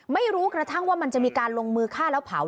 ไม่รู้กระทั่งว่ามันจะมีการลงมือฆ่าแล้วเผา